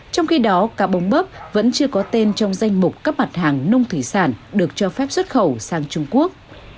trong khi đó cá bông bớp vẫn chưa có tên trong danh mục các mặt hàng nông thủy sản được cho phép xuất khẩu sang trung quốc